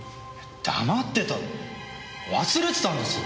黙ってたって忘れてたんです！